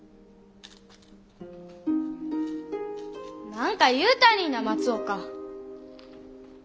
何か言うたりぃな松岡！